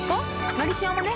「のりしお」もね